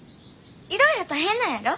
いろいろ大変なんやろ？